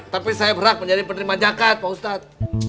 tapi saya berhak menjadi penerima jakat pak ustadz